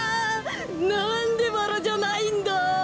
なんでバラじゃないんだ！